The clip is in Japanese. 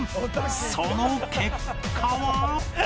その結果は